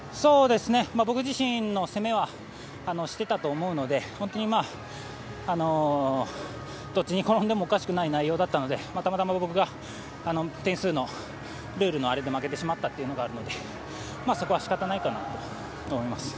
僕自身の攻めはしてたと思うので本当にどっちに転んでもおかしくない内容だったので、たまたま僕が点数のルールのあれで負けてしまったというのがあるので、そこは仕方ないかなと思います。